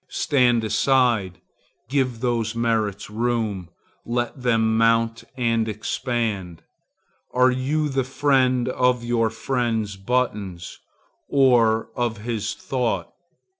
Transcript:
Stand aside; give those merits room; let them mount and expand. Are you the friend of your friend's buttons, or of his thought?